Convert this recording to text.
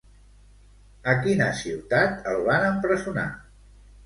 A quina ciutat el van empresonar?